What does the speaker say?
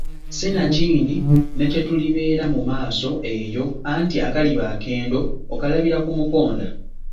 Sinakindi ne kye tulibeera mu maaso eyo, anti akaliba akendo okalabira ku mukonda.